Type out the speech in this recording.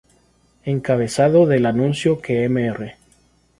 Encabezado del anuncio que Mr.